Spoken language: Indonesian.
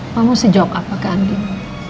mama harus jawab apa ke andin